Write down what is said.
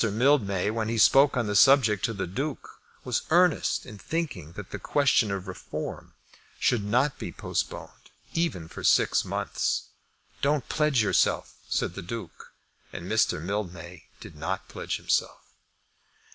Mildmay, when he spoke on the subject to the Duke, was earnest in thinking that the question of Reform should not be postponed even for six months. "Don't pledge yourself," said the Duke; and Mr. Mildmay did not pledge himself.